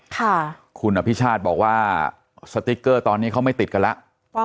ค่ะคุณอภิชาติบอกว่าตอนนี้เขาไม่ติดกันแล้ว